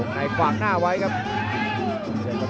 ในขวางหน้าไว้ครับ